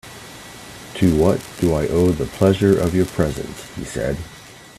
"To what do I owe the pleasure of your presence," he said.